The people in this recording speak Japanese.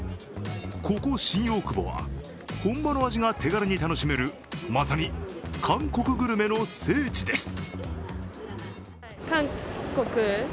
ここ新大久保は本場の味が手軽に楽しめるまさに韓国グルメの聖地です。